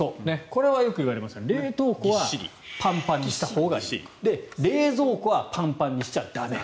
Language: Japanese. これはよくいわれますが冷凍庫はパンパンにしたほうがいいけど冷蔵庫はパンパンにしちゃ駄目。